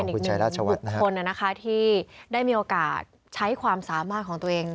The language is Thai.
คุณชายราชวัตน์เป็นอีกหนึ่งบทคนที่ได้มีโอกาสใช้ความสามารถของตัวเอง